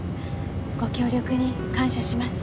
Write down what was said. ご協力に感謝します。